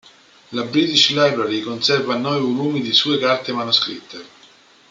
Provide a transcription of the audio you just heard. La British Library conserva nove volumi di sue carte manoscritte.